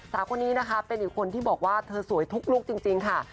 สาวคนนี้นะคะเป็นอีกคนที่บอกว่าเธอสวยทุกลุคจริงค่ะ